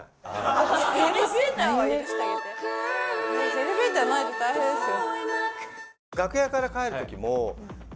エレベーターないと大変ですよ。